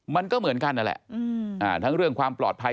มันก็เหมือนกันนั่นแหละทั้งเรื่องความปลอดภัย